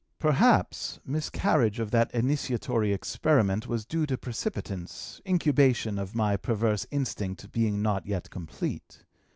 "Perhaps miscarriage of that initiatory experiment was due to precipitance, incubation of my perverse instinct being not yet complete.